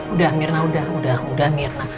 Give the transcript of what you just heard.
udah mirna udah mirna